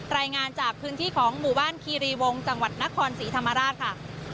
รายงานจากพื้นที่ของหมู่บ้านคีรีวงจังหวัดนครศรีธรรมราชค่ะ